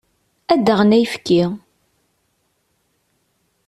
Ad d-aɣen ayefki.